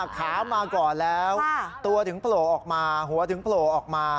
ขามาก่อนแล้วตัวถึงโผล่ออกมาหัวถึงโผล่ออกมา